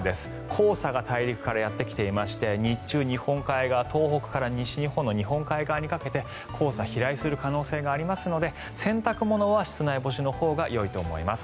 黄砂が大陸からやってきまして日中、日本海側東北から西日本の日本海側にかけて黄砂、飛来する可能性がありますので洗濯物は室内干しのほうがよいと思います。